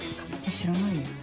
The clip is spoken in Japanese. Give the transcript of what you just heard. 知らないよ。